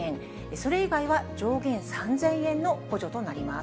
それ以外は上限３０００円の補助となります。